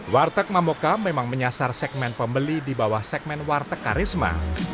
warteg mamoka memang menyasar segmen pembeli di bawah segmen warteg karisma